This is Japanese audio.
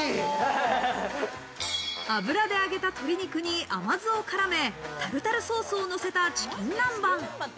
油で揚げた鶏肉に甘酢を絡め、タルタルソースをのせたチキン南蛮。